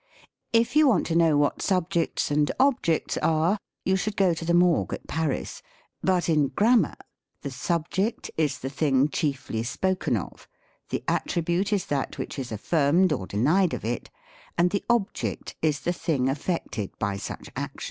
If you want to know what subjects and objects are, you should go to the Morgue at Paris. But in Gram mar — The subject is the thing chiefly spoken of; the attri bute is that which is affirmed or denied of it ; and the object is the thing affected by such action.